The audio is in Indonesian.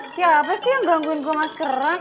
siapa sih yang gangguin gue mas keren